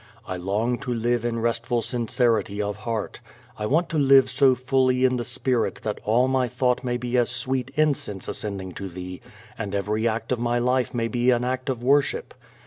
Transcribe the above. I long to live in restful sincerity of heart. I want to live so fully in the Spirit that all my thought may be as sweet incense ascending to Thee and every act of my life may be an act of worship.